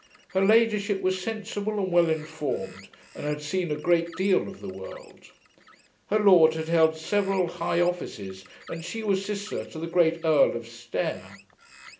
Her ladyship was sensible and well informed, and had seen a great deal of the world. Her lord had held several high offices, and she was sister to the great Earl of Stair.